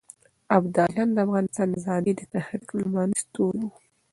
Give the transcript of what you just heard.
ابداليان د افغانستان د ازادۍ د تحريک لومړني ستوري وو.